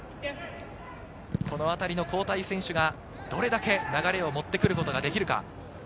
このあたりの交代選手がどれだけ流れを持ってくることができるか。